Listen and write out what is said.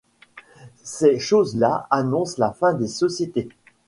Ces choses-là annoncent la fin des sociétés.